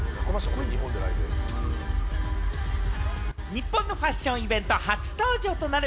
日本のファッションイベント初登場となる